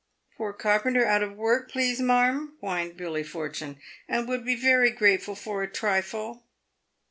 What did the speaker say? " Poor carpenter out o' work, please marm," whined Billy Fortune, "and would be very grateful for a trifle."